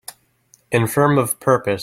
Infirm of purpose